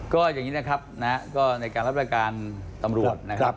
ก็อย่างนี้นะครับก็ในการรับประการตำรวจนะครับ